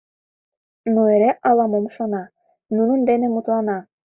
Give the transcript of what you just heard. Но эре ала-мом шона, нунын дене мутлана.